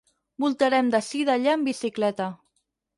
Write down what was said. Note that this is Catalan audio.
Voltarem d'ací d'allà amb bicicleta.